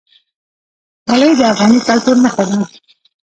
خولۍ د افغاني کلتور نښه ده.